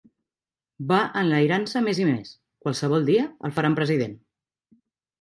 Va enlairant-se més i més: qualsevol dia el faran president.